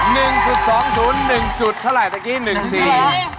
หนึ่งจุดสองศูนย์หนึ่งจุดเท่าไหร่ตะกี้หนึ่งสี